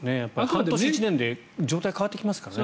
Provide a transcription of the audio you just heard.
半年、１年で状態が変わってきますからね。